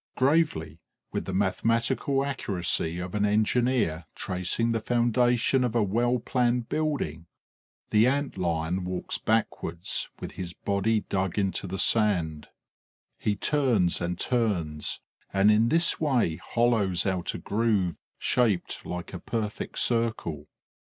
Gravely, with the mathematical accuracy of an engineer tracing the foundation of a well planned building, the Ant lion walks backwards, with his body dug into the sand; he turns and turns and in this way hollows out a groove shaped like a perfect circle.